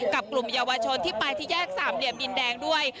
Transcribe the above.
กลุ่มเยาวชนที่ไปที่แยกสามเหลี่ยมดินแดงด้วย